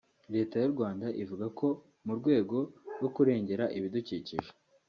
Leta y’u Rwanda ivuga ko mu rwego rwo kurengera ibidukikije